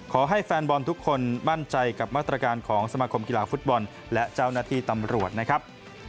แฟนบอลทุกคนมั่นใจกับมาตรการของสมาคมกีฬาฟุตบอลและเจ้าหน้าที่ตำรวจนะครับ